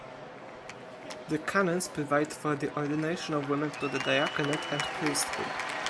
The canons provide for the ordination of women to the diaconate and priesthood.